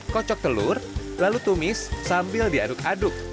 kocok telur lalu tumis sambil diaduk aduk